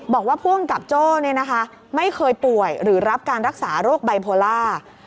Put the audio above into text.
บอกว่าผู้กำกับโจ้ไม่เคยป่วยหรือรับการรักษาโรคไบโพลา